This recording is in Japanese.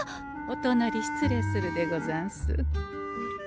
おとなり失礼するでござんす。